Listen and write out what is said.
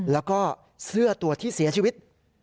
แล้วก็เสื้อตัวที่เสียชีวิต